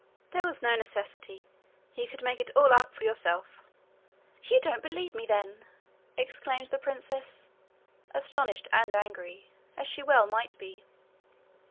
'There was no necessity. You could make it all up for yourself.' 'You don't believe me, then!' exclaimed the princess, astonished and angry, as she well might be.